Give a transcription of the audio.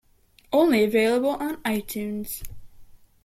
Only available on iTunes.